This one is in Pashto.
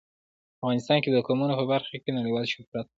افغانستان د قومونه په برخه کې نړیوال شهرت لري.